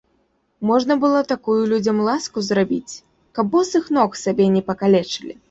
Можна было такую людзям ласку зрабіць, каб босых ног сабе не пакалечылі.